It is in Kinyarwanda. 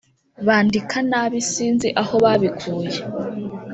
bandika nabi sinzi aho babikuye